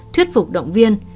thuyết phục động viên